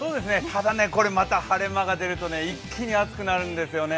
ただね、これまた晴れ間が出ると一気に暑くなるんですよね。